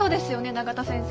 永田先生。